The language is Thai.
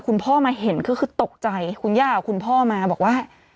คุณพ่อมาเห็นก็คือตกใจคุณย่ากับคุณพ่อมาบอกว่า